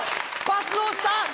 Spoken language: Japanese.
パスをした！